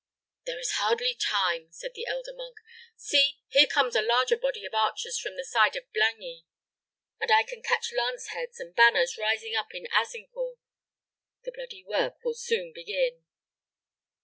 "There is hardly time," said the elder monk. "See, here comes a larger body of archers from the side of Blangy, and I can catch lance heads and banners rising up by Azincourt. The bloody work will soon begin."